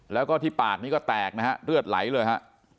แล้วก็ที่ปากนี้ก็แตกนะฮะเลือดไหลเลยฮะ